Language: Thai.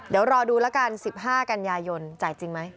เดี๋ยวรอดูแล้วกัน๑๕กันยายนจ่ายจริงไหม